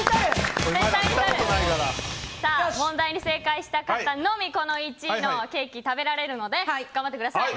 問題に正解した方のみこの１位のケーキ食べられるので頑張ってください。